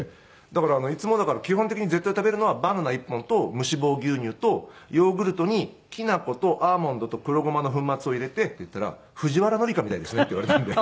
だからいつも基本的に絶対食べるのはバナナ１本と無脂肪牛乳とヨーグルトにきな粉とアーモンドと黒ごまの粉末を入れて」って言ったら「藤原紀香みたいですね」って言われたんで。